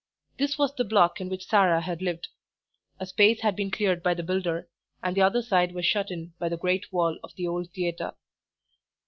This was the block in which Sarah had lived. A space had been cleared by the builder, and the other side was shut in by the great wall of the old theatre.